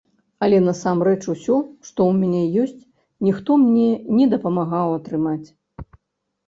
Але насамрэч усё, што ў мяне ёсць, ніхто мне не дапамагаў атрымаць.